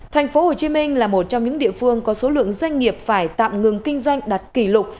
thành phố hồ chí minh là một trong những địa phương có số lượng doanh nghiệp phải tạm ngừng kinh doanh đạt kỷ lục